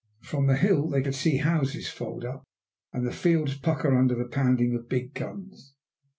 From the hill they could see houses fold up and fields pucker under the pounding of big guns.